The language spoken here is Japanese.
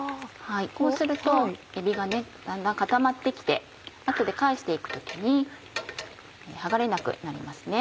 こうするとえびがだんだん固まって来て後で返して行く時に剥がれなくなりますね。